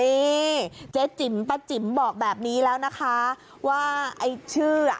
นี่เจ๊จิ๋มป้าจิ๋มบอกแบบนี้แล้วนะคะว่าไอ้ชื่ออ่ะ